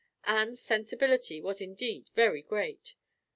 Anne's sensibility was indeed very great!